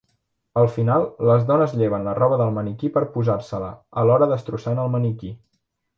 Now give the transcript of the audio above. Al final, les dones lleven la roba del maniquí per posar-se-la, alhora destrossant el maniquí.